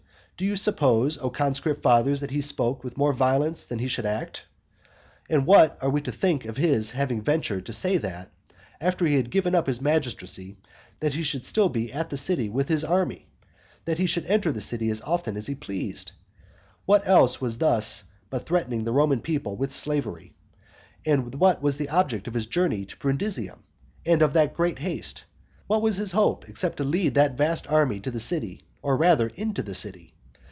Do you suppose, O conscript fathers, that he spoke with more violence than he would act? And what are we to think of his having ventured to say that, after he had given up his magistracy, he should still be at the city with his army? that he should enter the city as often as he pleased? What else was this but threatening the Roman people with slavery? And what was the object of his journey to Brundusium? and of that great haste? What was his hope, except to lead that vast army to the city, or rather into the city?